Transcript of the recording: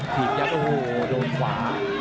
ถีบยังโอ้โหโหโดนขวา